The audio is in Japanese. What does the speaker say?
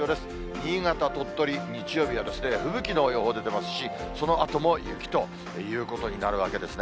新潟、鳥取、日曜日は吹雪の予報が出てますし、そのあとも雪ということになるわけですね。